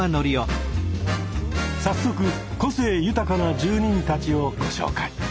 早速個性豊かな住人たちをご紹介。